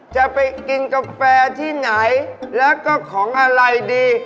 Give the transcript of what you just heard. จะไปกินกาแฟที่ไหนแล้วก็ของอะไรดี